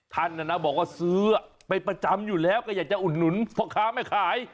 ท่านบอกว่าซื้อไปประจำอยู่แล้วก็อยากจะอุดหนุนพ่อค้าแม่ขาย